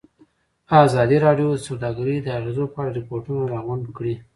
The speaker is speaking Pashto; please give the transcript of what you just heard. ازادي راډیو د سوداګري د اغېزو په اړه ریپوټونه راغونډ کړي.